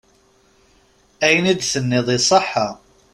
Ayen i d-tenniḍ iṣeḥḥa.